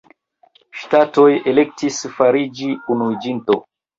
Ŝtatoj elektis fariĝi unuiĝinto.